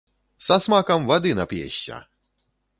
Са смакам вады нап'ешся!